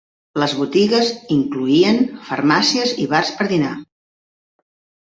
Les botigues incloïen farmàcies i bars per dinar.